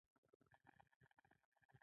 د مړي خوب لیدل د خیرات غوښتنه ده.